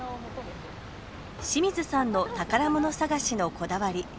清水さんの宝物探しのこだわり